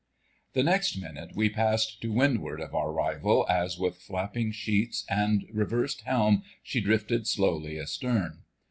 The next minute we passed to windward of our rival, as with flapping sheets and reversed helm she drifted slowly astern.